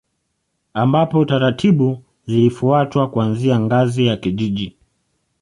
Ambapo taratibu zilifuatwa kuanzia ngazi ya kijiji